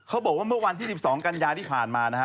บอกว่าเมื่อวันที่๑๒กันยาที่ผ่านมานะฮะ